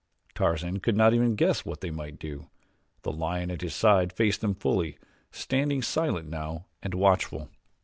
Tarzan could not even guess what they might do. The lion at his side faced them fully, standing silent now and watchful.